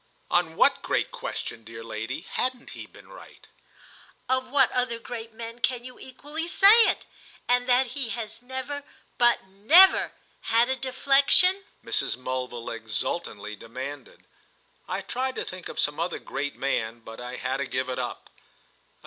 "On what great question, dear lady, hasn't he been right?" "Of what other great men can you equally say it?—and that he has never, but never, had a deflexion?" Mrs. Mulville exultantly demanded. I tried to think of some other great man, but I had to give it up.